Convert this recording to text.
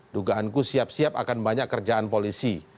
dugaanku siap siap akan banyak kerjaan polisi